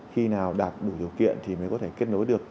khi nào đạt đủ điều kiện thì mới có thể kết nối được